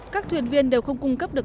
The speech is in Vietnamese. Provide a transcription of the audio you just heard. các thuyền viên đều không cung cấp được